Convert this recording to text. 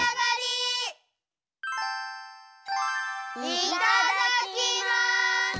いただきます！